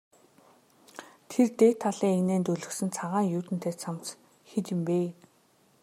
Тэр дээд талын эгнээнд өлгөсөн цагаан юүдэнтэй цамц хэд юм бэ?